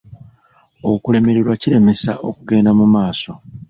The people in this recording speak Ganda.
Okulemererwa kiremesa okugenda mu maaso.